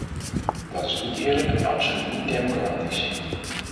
Dat is niet eerlijk en absoluut niet democratisch.